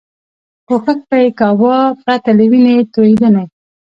کوښښ به یې کاوه پرته له وینې توېدنې.